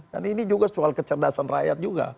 dan ini juga soal kecerdasan rakyat juga